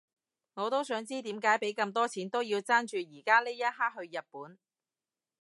我都想知點解畀咁多錢都要爭住而家呢一刻去日本